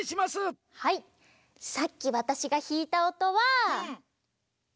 はいさっきわたしがひいたおとは。